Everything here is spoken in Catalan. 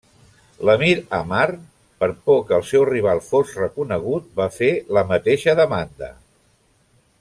L'emir Amar, per por que el seu rival fos reconegut, va fer la mateixa demanda.